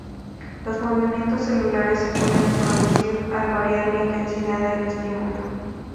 Los movimiento celulares se pueden producir al variar la intensidad del estímulo.